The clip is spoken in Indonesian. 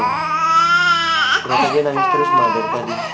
ternyata dia nangis terus malah dari tadi